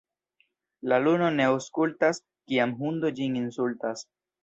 La luno ne aŭskultas, kiam hundo ĝin insultas.